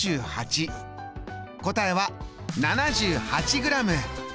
答えは７８ｇ。